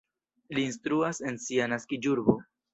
Li instruas en sia naskiĝurbo.